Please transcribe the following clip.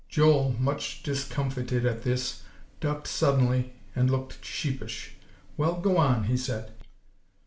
Joel, much discomfited at this, ducked suddenly and looked sheepish. "Well, go on," he said.